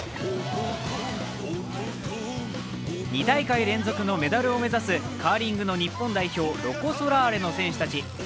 ２大会連続のメダルを目指すカーリングの日本代表、ロコ・ソラーレの選手たち。